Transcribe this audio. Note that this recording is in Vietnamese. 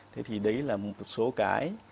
thế thì đấy là một số cái